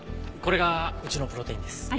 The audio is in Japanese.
これがうちのプロテインです。